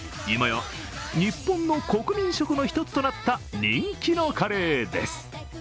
今や日本の国民食の一つとなった人気のカレーです。